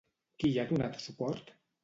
Qui hi ha donat suport?